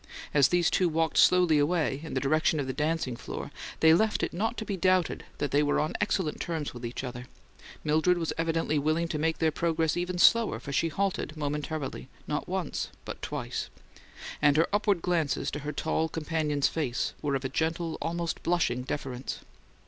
As these two walked slowly away, in the direction of the dancing floor, they left it not to be doubted that they were on excellent terms with each other; Mildred was evidently willing to make their progress even slower, for she halted momentarily, once or twice; and her upward glances to her tall companion's face were of a gentle, almost blushing deference.